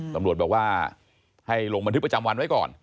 ตำรวจบอกว่าให้ลงบันทึกประจำวันไว้ก่อน